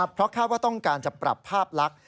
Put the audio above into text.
เพราะคาดว่าต้องการจะปรับภาพลักษณ์